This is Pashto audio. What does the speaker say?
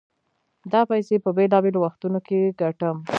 دا پيسې په بېلابېلو وختونو کې ګټم.